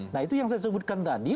nah itu yang saya sebutkan tadi